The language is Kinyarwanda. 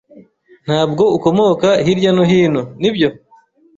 Ntabwo ukomoka hirya no hino, nibyo?